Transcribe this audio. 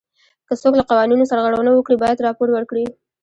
که څوک له قوانینو سرغړونه وکړي باید راپور ورکړي.